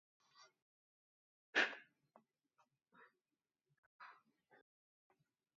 Aurkari, igoera nahi duen taldea aurkituko dute gasteiztarrek.